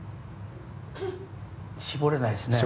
絞れないですね。